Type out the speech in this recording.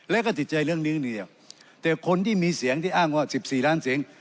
แล้วก็ติดใจเรื่องนี้เนี่ยแต่คนที่มีเสียงที่อ้างว่า๑๔ล้านเสียง